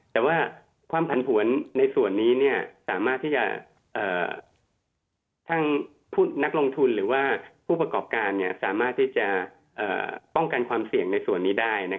แต่ว่าความผันผวนในส่วนนี้สามารถที่จะทั้งนักลงทุนหรือว่าผู้ประกอบการสามารถที่จะป้องกันความเสี่ยงในส่วนนี้ได้